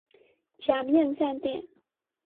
假面飯店